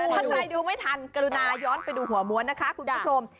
ถ้าใครดูไม่ทันกรุณาย้อนไปดูหัวม้วนนะคะคุณผู้ชม